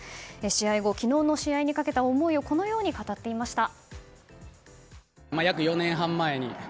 試合後、昨日の試合にかけた思いをこのように語っていました。